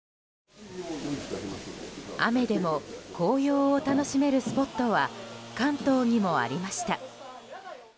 雨でも紅葉を楽しめるスポットは関東にもありました。